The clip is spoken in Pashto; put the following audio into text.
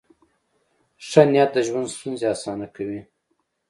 ښه نیت د ژوند ستونزې اسانه کوي.